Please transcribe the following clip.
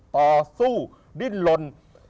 ต่อสู้ดิ้นลน